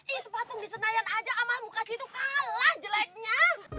itu patung di senayan aja amar muka situ kalah jeleknya